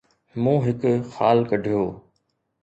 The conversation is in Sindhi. مون هڪ خال ڪڍيو